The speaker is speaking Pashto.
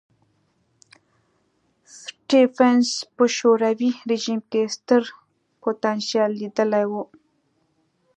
سټېفنس په شوروي رژیم کې ستر پوتنشیل لیدلی و.